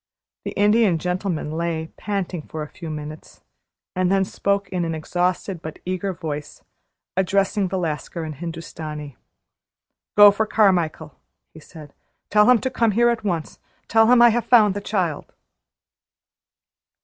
The Indian Gentleman lay panting for a few minutes, and then he spoke in an exhausted but eager voice, addressing the Lascar in Hindustani: "Go for Carmichael," he said. "Tell him to come here at once. Tell him I have found the child!"